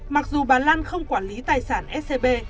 mặc dù bà lan không quản lý tài sản scb